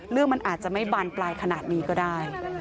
เรื่องมันอาจจะไม่บานปลายขนาดนี้ก็ได้